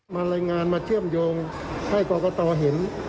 รายงานมาเชื่อมโยงให้กรกตเห็น